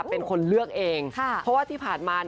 เป็นคนเลือกเองเพราะว่าที่ผ่านมา